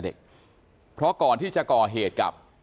ทีมข่าวเราก็พยายามสอบปากคำในแหบนะครับ